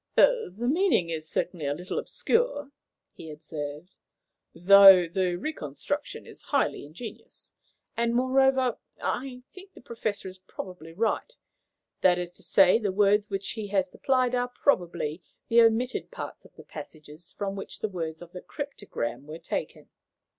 "The meaning is certainly a little obscure," he observed, "though the reconstruction is highly ingenious; and, moreover, I think the Professor is probably right. That is to say, the words which he has supplied are probably the omitted parts of the passages from which the words of the cryptogram were taken.